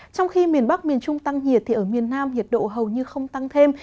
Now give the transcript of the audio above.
trong khi miền bắc miền trung tăng nhiệt thì ở miền nam nhiệt độ hầu như không tăng thêm